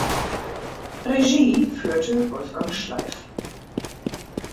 Regie führte Wolfgang Schleif.